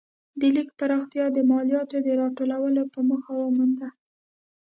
د لیک پراختیا د مالیاتو د راټولولو په موخه ومونده.